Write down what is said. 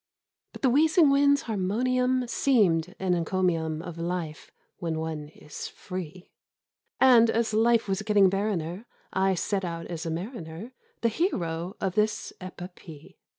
Bat the wheezing wind's harmonium Seemed an enconium Of life when one is Free And as life was getting barren er I set out as a mariner — The hero of this epopee.